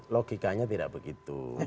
logikanya tidak begitu